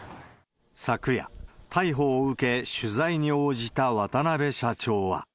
昨夜、逮捕を受け、取材に応じた渡邊社長は。